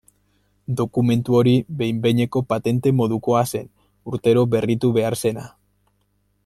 Dokumentu hori behin-behineko patente modukoa zen, urtero berritu behar zena.